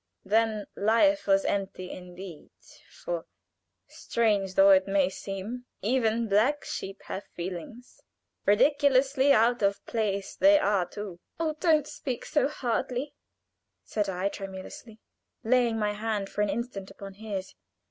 Then life was empty indeed, for, strange though it may seem, even black sheep have feelings ridiculously out of place they are too." "Oh, don't speak so harshly!" said I, tremulously, laying my hand for an instant upon his.